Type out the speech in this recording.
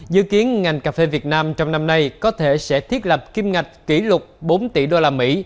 dự kiến ngành cà phê việt nam trong năm nay có thể sẽ thiết lập kim ngạch kỷ lục bốn tỷ đô la mỹ